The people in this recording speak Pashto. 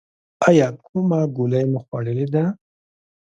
ایا کومه ګولۍ مو خوړلې ده؟